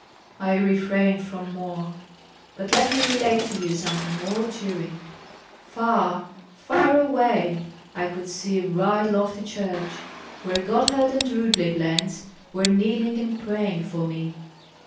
I refrain from more. But let me relate to you something more cheering. Far, far away, I could see a bright lofty church, where Gotthard and Rudlieb Lenz were kneeling and praying for me.